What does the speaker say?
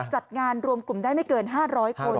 จัดงานรวมกลุ่มได้ไม่เกิน๕๐๐คน